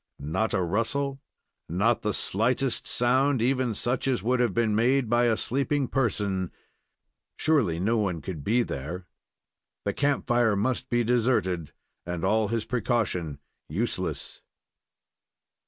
Not a rustle, not the slightest sound, even such as would have been made by a sleeping person surely no one could be there. The camp fire must be deserted and all his precaution useless.